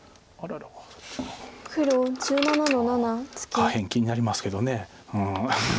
下辺気になりますけど。